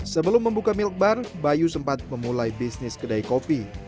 sebelum membuka milkbar bayu sempat memulai bisnis kedai kopi